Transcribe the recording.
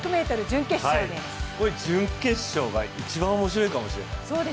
準決勝が一番、面白いかもしれない。